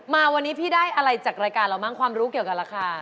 มาวันนี้พี่ได้อะไรจากรายการเราบ้างความรู้เกี่ยวกับราคา